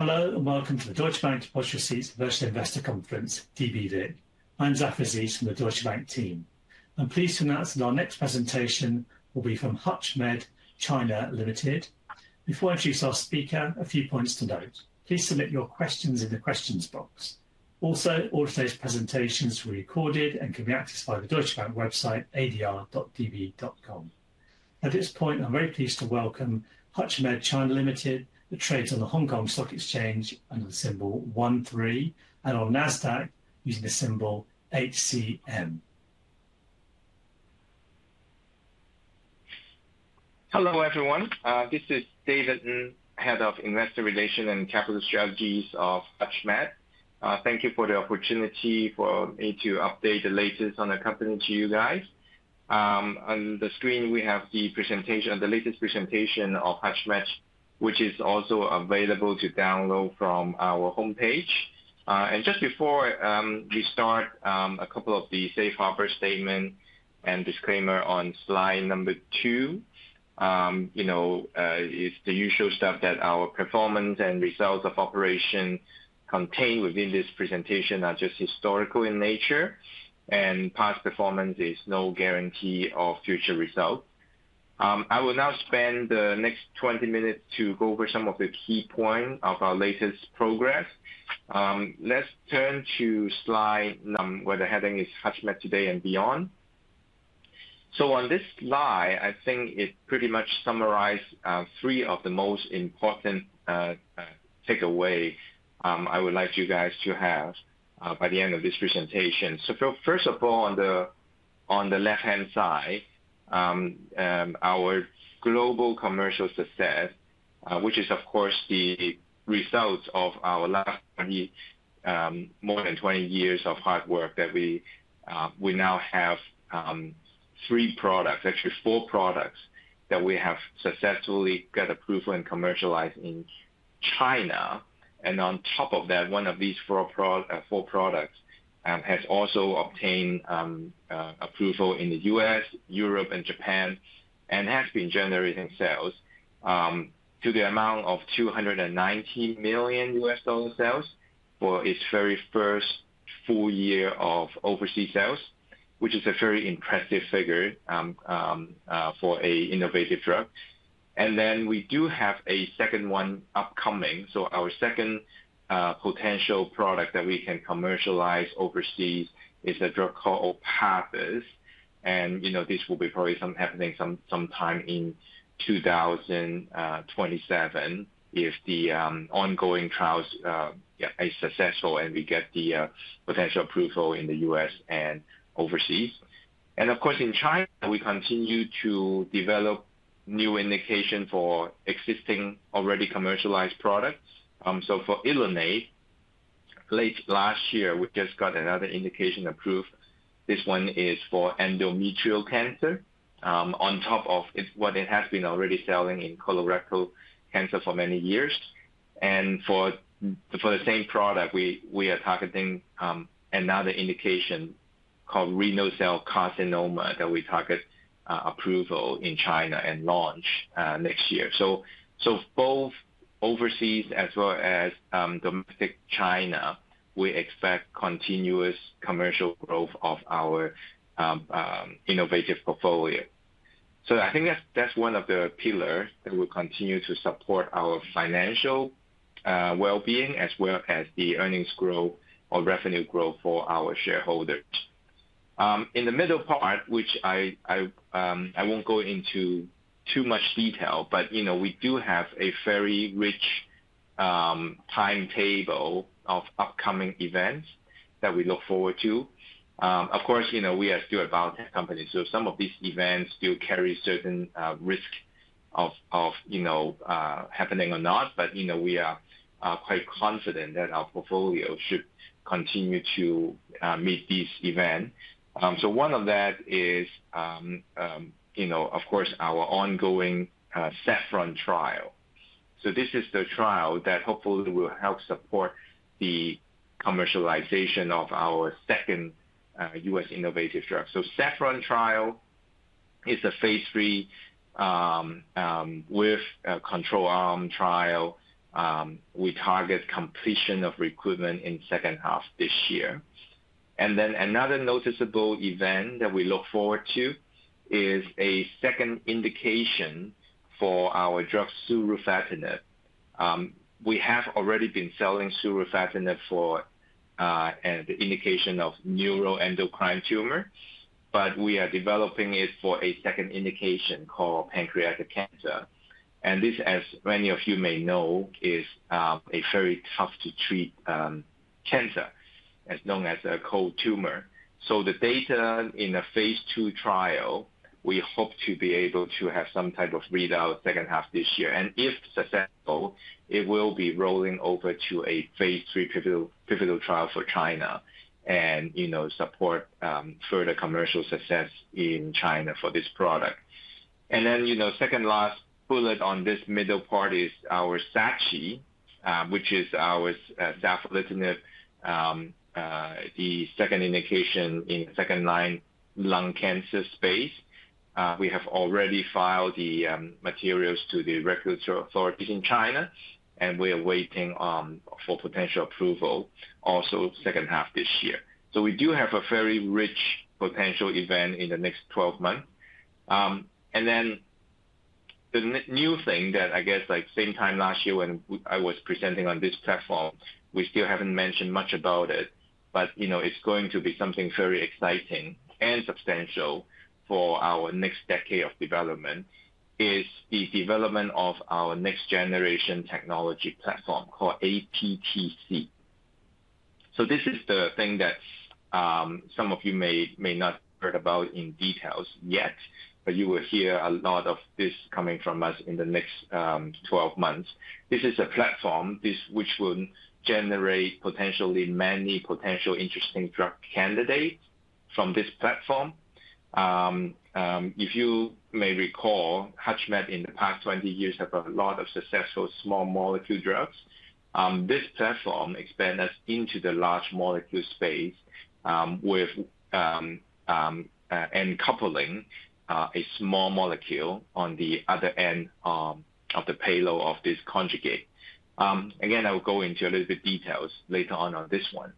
Hello, and welcome to the Deutsche Bank Depositary Seats Investor Conference, DBD. I'm Zafar Aziz from the Deutsche Bank team. I'm pleased to announce that our next presentation will be from HUTCHMED (China) Limited. Before I introduce our speaker, a few points to note. Please submit your questions in the questions box. Also, all of those presentations will be recorded and can be accessed via the Deutsche Bank website, adr.db.com. At this point, I'm very pleased to welcome HUTCHMED (China) Limited, that trades on the Hong Kong Stock Exchange under the symbol 13, and on NASDAQ using the symbol HCM. Hello, everyone. This is David Ng, Head of Investor Relations and Capital Strategies of HUTCHMED. Thank you for the opportunity for me to update the latest on the company to you guys. On the screen, we have the presentation, the latest presentation of HUTCHMED, which is also available to download from our homepage. Just before we start, a couple of the safe harbor statements and disclaimers on slide number two. It's the usual stuff that our performance and results of operations contained within this presentation are just historical in nature, and past performance is no guarantee of future results. I will now spend the next 20 minutes to go over some of the key points of our latest progress. Let's turn to slide. Where the heading is HUTCHMED TODAY AND BEYOND. On this slide, I think it pretty much summarizes three of the most important takeaways I would like you guys to have by the end of this presentation. First of all, on the left-hand side, our global commercial success, which is, of course, the result of our last more than 20 years of hard work that we now have three products, actually four products that we have successfully got approval and commercialized in China. On top of that, one of these four products has also obtained approval in the U.S., Europe, and Japan, and has been generating sales to the amount of $290 million sales for its very first full year of overseas sales, which is a very impressive figure for an innovative drug. We do have a second one upcoming. Our second potential product that we can commercialize overseas is a drug called Orpathys. This will be probably something happening sometime in 2027 if the ongoing trials are successful and we get the potential approval in the U.S. and overseas. Of course, in China, we continue to develop new indications for existing already commercialized products. For Elunate, late last year, we just got another indication approved. This one is for endometrial cancer, on top of what it has been already selling in colorectal cancer for many years. For the same product, we are targeting another indication called renal cell carcinoma that we target approval in China and launch next year. Both overseas as well as domestic China, we expect continuous commercial growth of our innovative portfolio. I think that's one of the pillars that will continue to support our financial well-being as well as the earnings growth or revenue growth for our shareholders. In the middle part, which I won't go into too much detail, but we do have a very rich timetable of upcoming events that we look forward to. Of course, we are still a biotech company, so some of these events still carry certain risks of happening or not, but we are quite confident that our portfolio should continue to meet these events. One of that is, of course, our ongoing SEPHRON trial. This is the trial that hopefully will help support the commercialization of our second US innovative drug. SEPHRON trial is a phase three with a control arm trial. We target completion of recruitment in the second half of this year. Another noticeable event that we look forward to is a second indication for our drug Surufatinib. We have already been selling Surufatinib for the indication of neuroendocrine tumor, but we are developing it for a second indication called pancreatic cancer. This, as many of you may know, is a very tough-to-treat cancer, known as a cold tumor. The data in the phase two trial, we hope to be able to have some type of readout second half of this year. If successful, it will be rolling over to a phase three pivotal trial for China and support further commercial success in China for this product. The second last bullet on this middle part is our SATCHI, which is our Savolitinib, the second indication in the second line lung cancer space. We have already filed the materials to the regulatory authorities in China, and we are waiting for potential approval also second half of this year. We do have a very rich potential event in the next 12 months. The new thing that I guess, same time last year when I was presenting on this platform, we still have not mentioned much about it, but it is going to be something very exciting and substantial for our next decade of development, is the development of our next generation technology platform called APTC. This is the thing that some of you may not have heard about in detail yet, but you will hear a lot of this coming from us in the next 12 months. This is a platform which will generate potentially many potential interesting drug candidates from this platform. If you may recall, HUTCHMED in the past 20 years has a lot of successful small molecule drugs. This platform expands us into the large molecule space and coupling a small molecule on the other end of the payload of this conjugate. Again, I will go into a little bit of details later on on this one,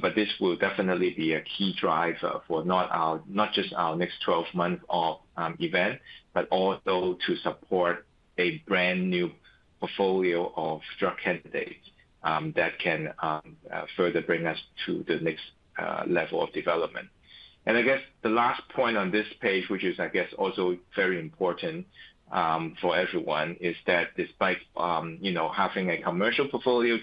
but this will definitely be a key driver for not just our next 12 months of event, but also to support a brand new portfolio of drug candidates that can further bring us to the next level of development. I guess the last point on this page, which is, I guess, also very important for everyone, is that despite having a commercial portfolio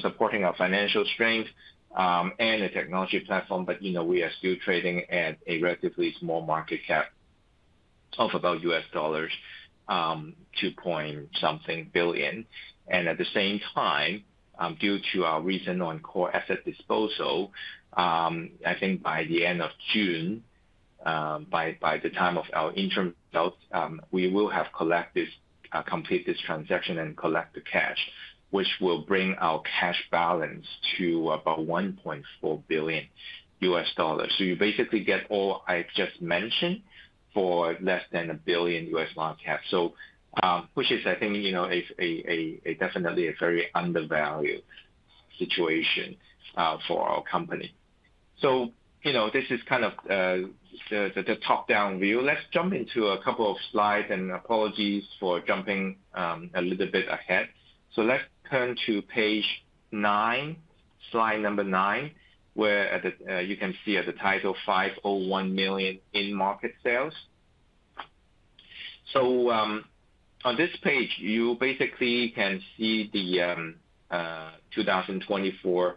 supporting our financial strength and a technology platform, we are still trading at a relatively small market cap of about $2 point something billion. At the same time, due to our recent on-call asset disposal, I think by the end of June, by the time of our interim results, we will have completed this transaction and collect the cash, which will bring our cash balance to about $1.4 billion. You basically get all I just mentioned for less than a $1 billion US market cap, which is, I think, definitely a very undervalued situation for our company. This is kind of the top-down view. Let's jump into a couple of slides, and apologies for jumping a little bit ahead. Let's turn to page nine, slide number nine, where you can see at the title, $501 million in market sales. On this page, you basically can see the 2024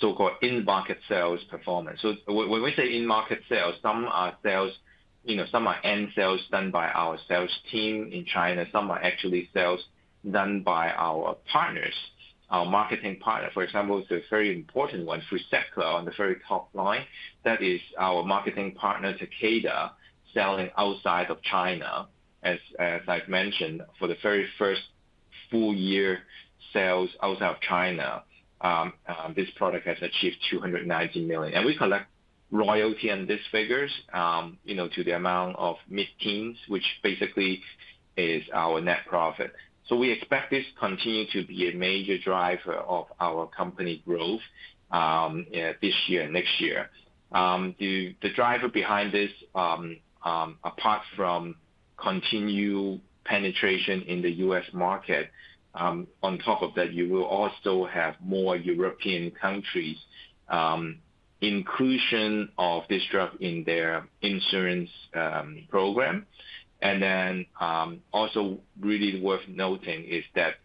so-called in-market sales performance. When we say in-market sales, some are end sales done by our sales team in China. Some are actually sales done by our partners, our marketing partners. For example, it's a very important one, Fruquintinib sector on the very top line. That is our marketing partner, Takeda, selling outside of China. As I've mentioned, for the very first full year sales outside of China, this product has achieved $290 million. We collect royalty on these figures to the amount of mid-teens %, which basically is our net profit. We expect this continues to be a major driver of our company growth this year and next year. The driver behind this, apart from continued penetration in the U.S. market, on top of that, you will also have more European countries' inclusion of this drug in their insurance program. It is also really worth noting that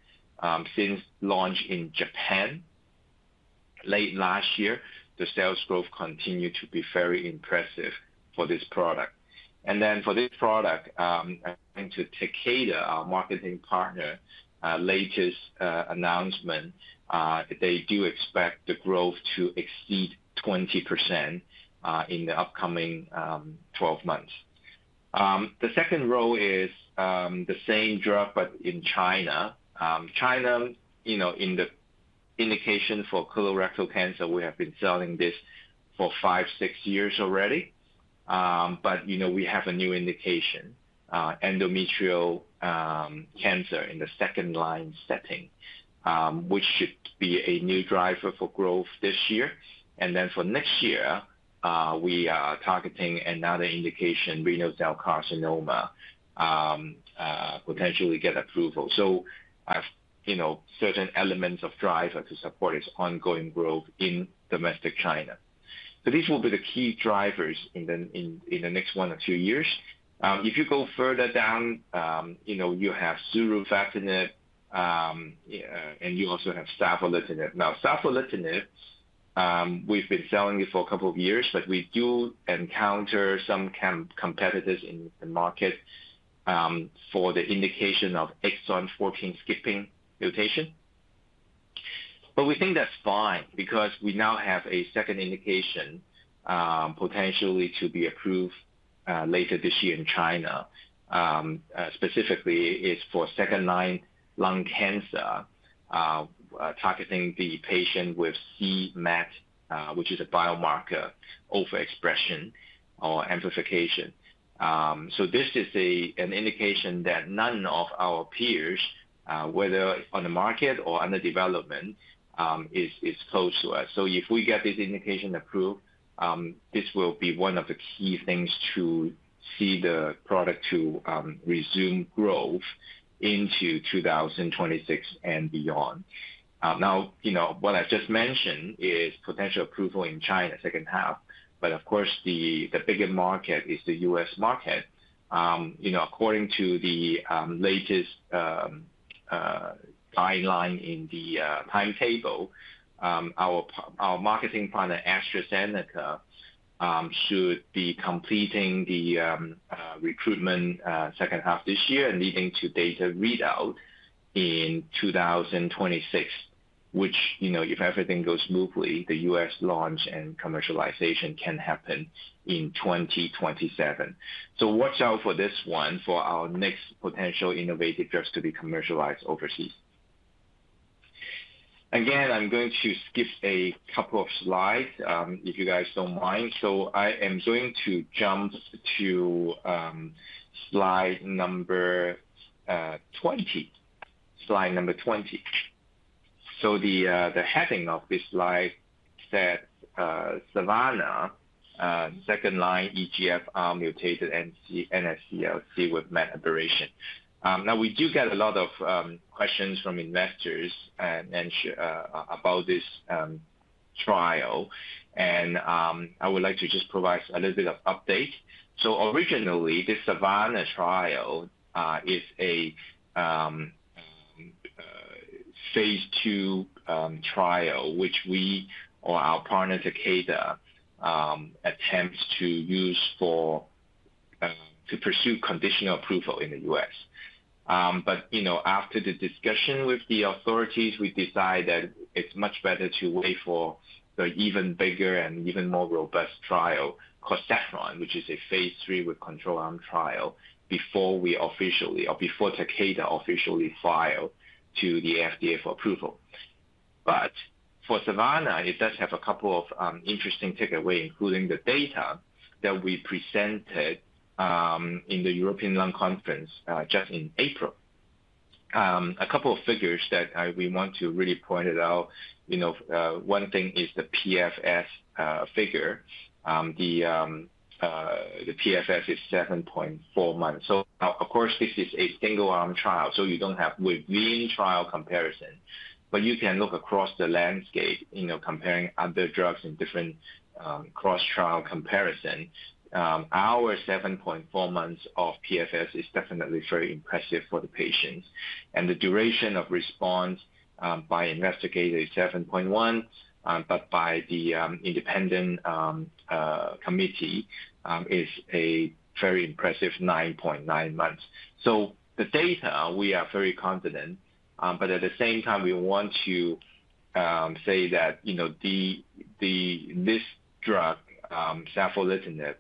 since launch in Japan late last year, the sales growth continued to be very impressive for this product. For this product, I think to Takeda, our marketing partner, latest announcement, they do expect the growth to exceed 20% in the upcoming 12 months. The second row is the same drug, but in China. China, in the indication for colorectal cancer, we have been selling this for five, six years already, but we have a new indication, endometrial cancer in the second line setting, which should be a new driver for growth this year. For next year, we are targeting another indication, renal cell carcinoma, potentially get approval. Certain elements of driver to support its ongoing growth in domestic China. These will be the key drivers in the next one or two years. If you go further down, you have surufatinib, and you also have savolitinib. Now, savolitinib, we've been selling it for a couple of years, but we do encounter some competitors in the market for the indication of exon 14 skipping mutation. We think that's fine because we now have a second indication potentially to be approved later this year in China. Specifically, it's for second line lung cancer, targeting the patient with c-MET, which is a biomarker of expression or amplification. This is an indication that none of our peers, whether on the market or under development, is close to us. If we get this indication approved, this will be one of the key things to see the product resume growth into 2026 and beyond. Now, what I've just mentioned is potential approval in China, second half, but of course, the bigger market is the U.S. market. According to the latest guideline in the timetable, our marketing partner, AstraZeneca, should be completing the recruitment second half of this year and leading to data readout in 2026, which, if everything goes smoothly, the U.S. launch and commercialization can happen in 2027. Watch out for this one for our next potential innovative drugs to be commercialized overseas. Again, I'm going to skip a couple of slides if you guys don't mind. I am going to jump to slide number 20, slide number 20. The heading of this slide says, "Savolitinib, second line EGFR mutated NSCLC with MET alteration." Now, we do get a lot of questions from investors about this trial, and I would like to just provide a little bit of update. Originally, this Savanna trial is a phase two trial, which we or our partner, Takeda, attempt to use to pursue conditional approval in the U.S. After the discussion with the authorities, we decide that it is much better to wait for the even bigger and even more robust trial, called SEPHRON, which is a phase three with control arm trial, before we officially, or before Takeda officially filed to the FDA for approval. For Savanna, it does have a couple of interesting takeaways, including the data that we presented in the European lung conference just in April. A couple of figures that we want to really point out. One thing is the PFS figure. The PFS is 7.4 months. Of course, this is a single arm trial, so you don't have within trial comparison, but you can look across the landscape comparing other drugs in different cross trial comparison. Our 7.4 months of PFS is definitely very impressive for the patients. The duration of response by investigator is 7.1, but by the independent committee, it's a very impressive 9.9 months. The data, we are very confident, but at the same time, we want to say that this drug, Savolitinib,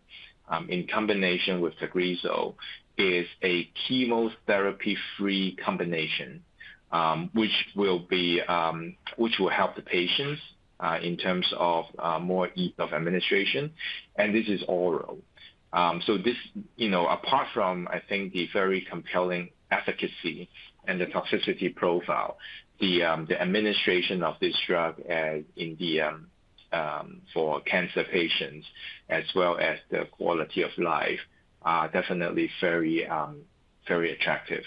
in combination with Tagrisso, is a chemotherapy-free combination, which will help the patients in terms of more ease of administration. This is oral. Apart from, I think, the very compelling efficacy and the toxicity profile, the administration of this drug for cancer patients, as well as the quality of life, are definitely very attractive.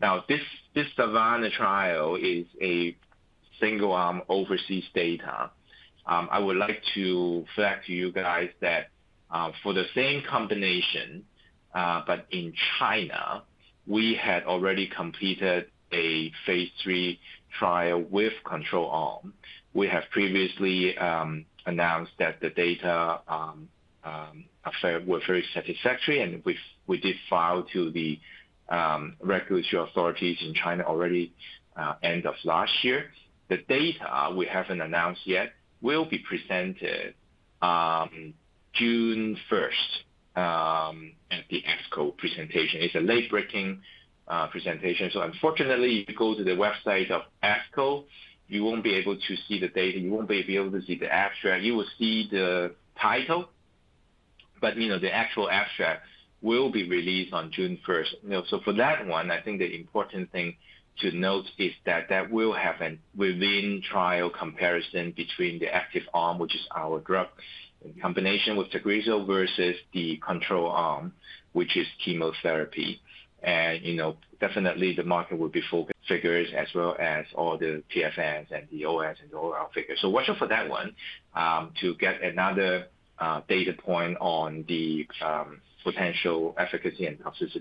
Now, this Savanna trial is a single arm overseas data. I would like to flag to you guys that for the same combination, but in China, we had already completed a phase three trial with control arm. We have previously announced that the data were very satisfactory, and we did file to the regulatory authorities in China already end of last year. The data we haven't announced yet will be presented June 1st at the ASCO presentation. It's a late-breaking presentation. Unfortunately, if you go to the website of ASCO, you won't be able to see the data. You won't be able to see the abstract. You will see the title, but the actual abstract will be released on June 1st. For that one, I think the important thing to note is that that will have a within trial comparison between the active arm, which is our drug, in combination with Tagrisso versus the control arm, which is chemotherapy. Definitely, the market will be focused on figures as well as all the PFS and the OS and the overall figure. Watch out for that one to get another data point on the potential efficacy and toxicity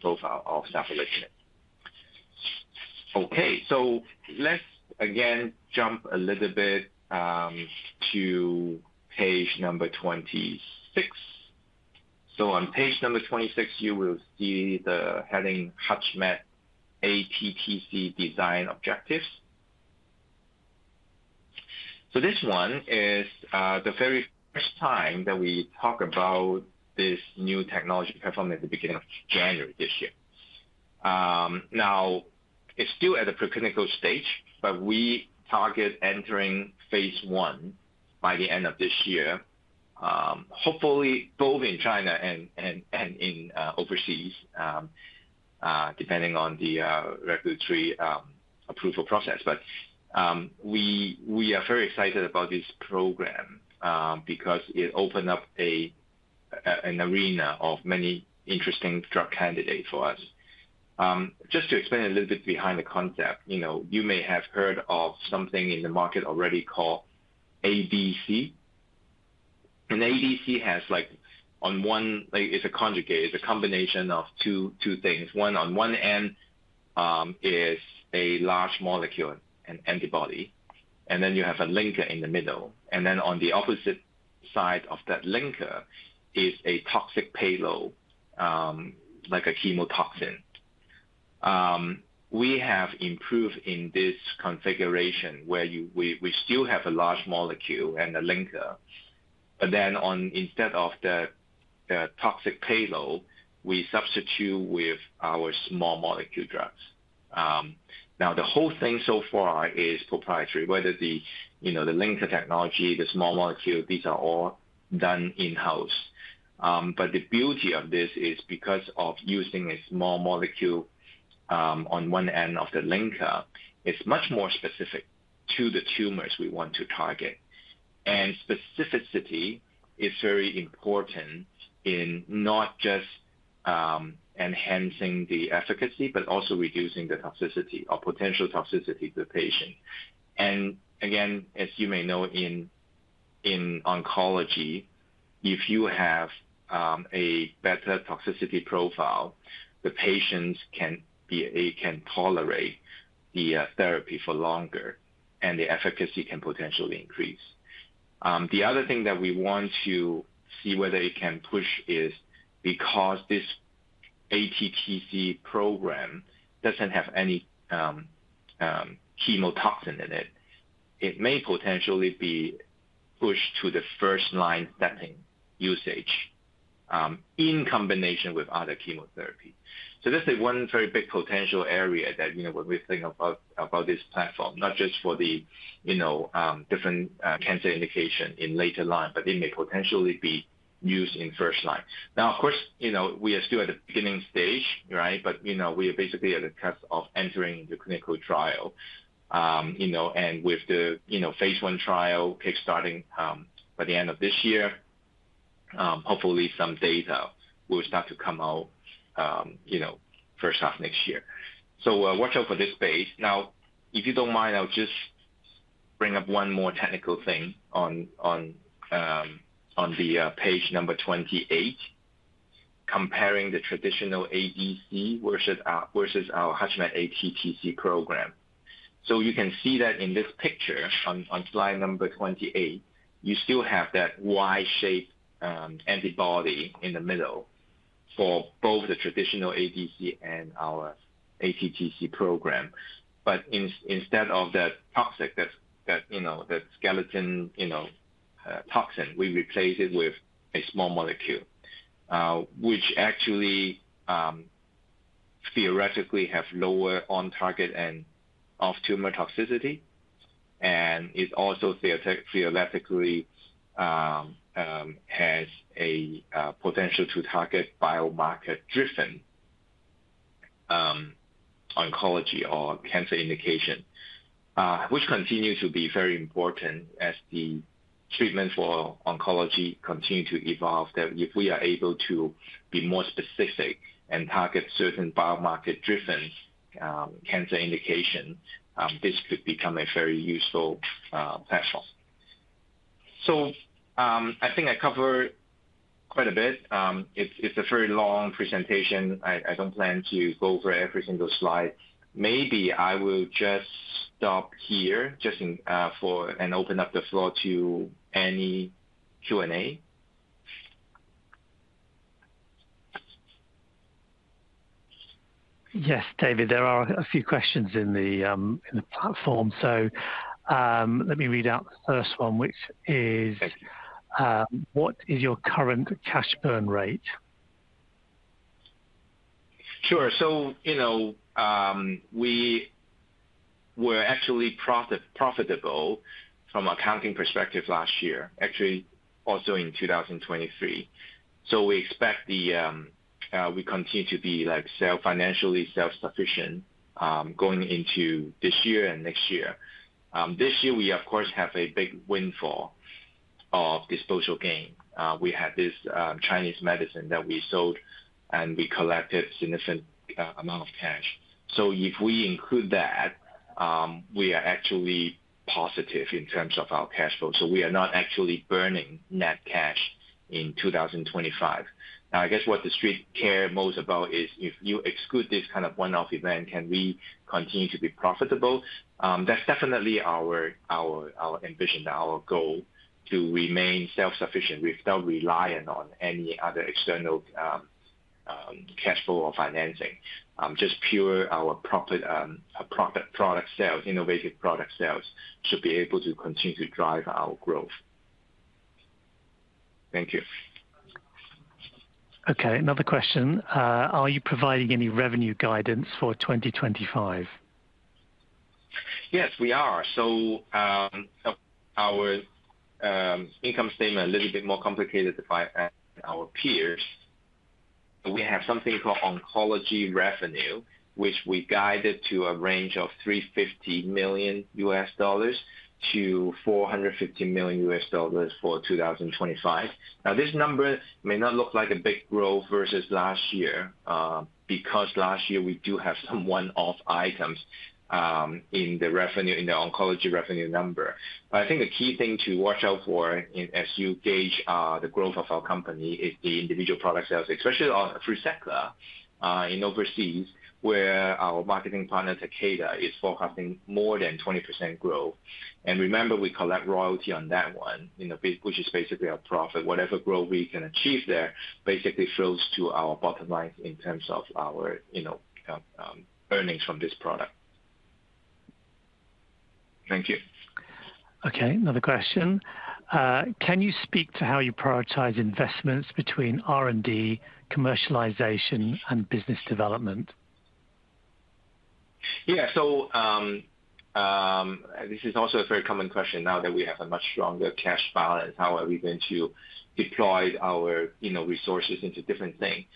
profile of Savolitinib. Okay. Let's again jump a little bit to page number 26. On page number 26, you will see the heading HUTCHMED ATTC design objectives. This one is the very first time that we talk about this new technology platform at the beginning of January this year. Now, it's still at the preclinical stage, but we target entering phase one by the end of this year, hopefully both in China and overseas, depending on the regulatory approval process. We are very excited about this program because it opened up an arena of many interesting drug candidates for us. Just to explain a little bit behind the concept, you may have heard of something in the market already called ADC. ADC has on one, it's a conjugate. It's a combination of two things. One, on one end, is a large molecule, an antibody. You have a linker in the middle. On the opposite side of that linker is a toxic payload, like a chemotoxin. We have improved in this configuration where we still have a large molecule and a linker. Then instead of the toxic payload, we substitute with our small molecule drugs. Now, the whole thing so far is proprietary, whether the linker technology, the small molecule, these are all done in-house. The beauty of this is because of using a small molecule on one end of the linker, it's much more specific to the tumors we want to target. Specificity is very important in not just enhancing the efficacy, but also reducing the toxicity or potential toxicity to the patient. Again, as you may know, in oncology, if you have a better toxicity profile, the patients can tolerate the therapy for longer, and the efficacy can potentially increase. The other thing that we want to see whether it can push is because this ATTC program doesn't have any chemotoxin in it, it may potentially be pushed to the first line setting usage in combination with other chemotherapy. This is one very big potential area that when we think about this platform, not just for the different cancer indication in later line, but it may potentially be used in first line. Now, of course, we are still at the beginning stage, right? We are basically at the cusp of entering the clinical trial. With the phase one trial kickstarting by the end of this year, hopefully some data will start to come out first half next year. Watch out for this space. Now, if you don't mind, I'll just bring up one more technical thing on the page number 28, comparing the traditional ADC versus our HUTCHMED ATTC program. You can see that in this picture on slide number 28, you still have that Y-shaped antibody in the middle for both the traditional ADC and our ATTC program. Instead of that toxic, that skeleton toxin, we replace it with a small molecule, which actually theoretically has lower on-target and off-tumor toxicity. It also theoretically has a potential to target biomarker-driven oncology or cancer indication, which continues to be very important as the treatment for oncology continues to evolve. If we are able to be more specific and target certain biomarker-driven cancer indication, this could become a very useful platform. I think I covered quite a bit. It's a very long presentation. I don't plan to go over every single slide. Maybe I will just stop here just for and open up the floor to any Q&A. Yes, David, there are a few questions in the platform. Let me read out the first one, which is, what is your current cash burn rate? Sure. We were actually profitable from an accounting perspective last year, actually also in 2023. We expect we continue to be financially self-sufficient going into this year and next year. This year, we, of course, have a big windfall of disposal gain. We had this Chinese medicine that we sold, and we collected a significant amount of cash. If we include that, we are actually positive in terms of our cash flow. We are not actually burning net cash in 2025. Now, I guess what the street care most about is if you exclude this kind of one-off event, can we continue to be profitable? That is definitely our ambition, our goal to remain self-sufficient without relying on any other external cash flow or financing. Just pure our product sales, innovative product sales should be able to continue to drive our growth. Thank you. Okay. Another question. Are you providing any revenue guidance for 2025? Yes, we are. Our income statement is a little bit more complicated than our peers. We have something called oncology revenue, which we guided to a range of $350 million-$450 million for 2025. Now, this number may not look like a big growth versus last year because last year we do have some one-off items in the oncology revenue number. I think the key thing to watch out for as you gauge the growth of our company is the individual product sales, especially through SEPHMED in overseas, where our marketing partner, Takeda, is forecasting more than 20% growth. Remember, we collect royalty on that one, which is basically our profit. Whatever growth we can achieve there basically flows to our bottom line in terms of our earnings from this product. Thank you. Okay. Another question. Can you speak to how you prioritize investments between R&D, commercialization, and business development? Yeah. So this is also a very common question now that we have a much stronger cash balance. How are we going to deploy our resources into different things?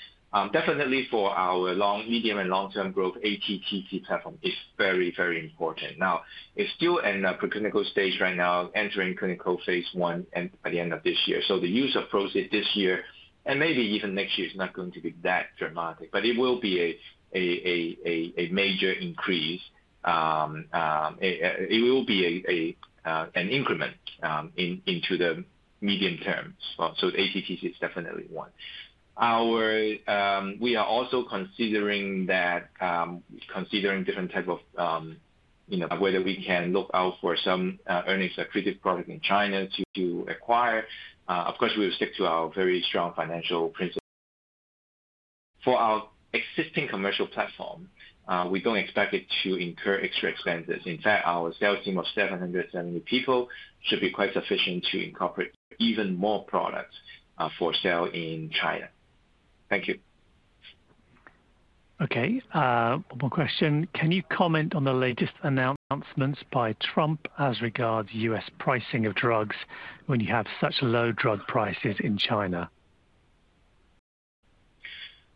Definitely, for our medium and long-term growth, ATTC platform is very, very important. Now, it's still in the preclinical stage right now, entering clinical phase one by the end of this year. The use of this year and maybe even next year is not going to be that dramatic, but it will be a major increase. It will be an increment into the medium term. ATTC is definitely one. We are also considering different types of whether we can look out for some earnings-accretive product in China to acquire. Of course, we will stick to our very strong financial principles. For our existing commercial platform, we don't expect it to incur extra expenses. In fact, our sales team of 770 people should be quite sufficient to incorporate even more products for sale in China. Thank you. Okay. One more question. Can you comment on the latest announcements by Trump as regards U.S. pricing of drugs when you have such low drug prices in China?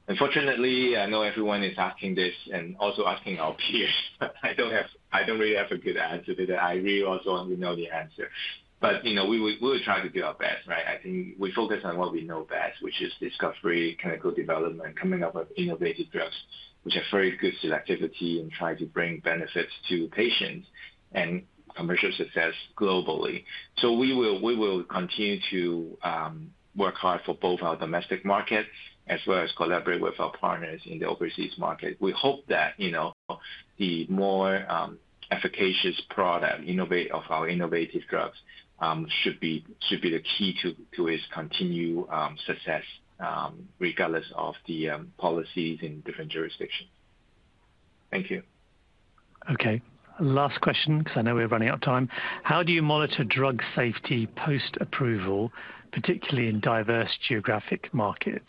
Unfortunately, I know everyone is asking this and also asking our peers. I do not really have a good answer to that. I really also do not know the answer. We will try to do our best, right? I think we focus on what we know best, which is discovery, clinical development, coming up with innovative drugs, which have very good selectivity and try to bring benefits to patients and commercial success globally. We will continue to work hard for both our domestic market as well as collaborate with our partners in the overseas market. We hope that the more efficacious product of our innovative drugs should be the key to its continued success regardless of the policies in different jurisdictions. Thank you. Okay. Last question because I know we're running out of time. How do you monitor drug safety post-approval, particularly in diverse geographic markets?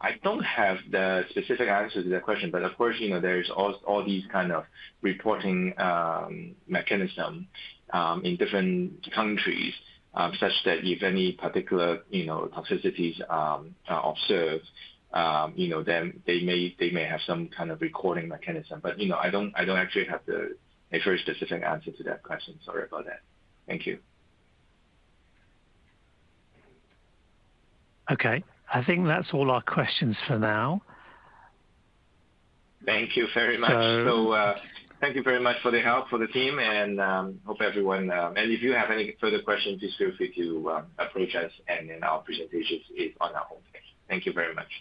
I don't have the specific answer to that question, but of course, there's all these kinds of reporting mechanisms in different countries such that if any particular toxicities are observed, then they may have some kind of recording mechanism. I don't actually have a very specific answer to that question. Sorry about that. Thank you. Okay. I think that's all our questions for now. Thank you very much. Thank you very much for the help for the team. Hope everyone, and if you have any further questions, please feel free to approach us, and then our presentation is on our homepage. Thank you very much.